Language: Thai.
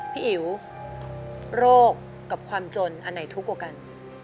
อิ๋วโรคกับความจนอันไหนทุกข์กว่ากัน